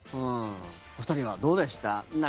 お二人はどうでした？